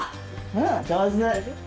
うん上手！